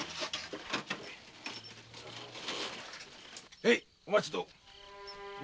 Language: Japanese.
へいお待ちどお。